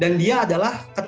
dan dia adalah ketua